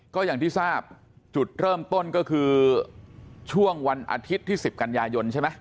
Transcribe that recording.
ก็อย่างที่ทราบจุดเริ่มต้นก็คือช่วงวันอาทิตย์ที่๑๐กันยายนใช่ไหม